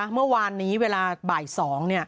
เมื่อวานนี้เวลาบ่าย๒